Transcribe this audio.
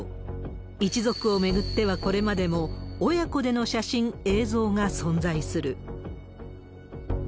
一族を巡ってはこれまでも、親子での写真、映像が存在する。